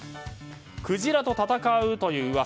クジラと戦うという噂。